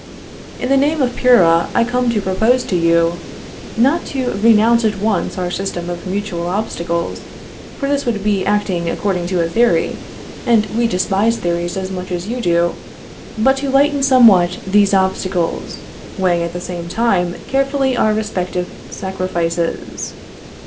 In the name of Puera, I come to propose to you, not to renounce at once our system of mutual obstacles, for this would be acting according to a theory, and we despise theories as much as you do; but to lighten somewhat these obstacles, weighing at the same time carefully our respective sacrifices."